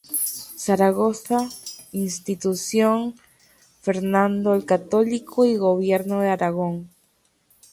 Zaragoza, Institución Fernando el Católico y Gobierno de Aragón.